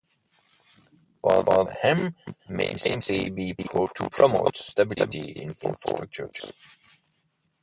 For the aim may simply be to promote stability in force structures.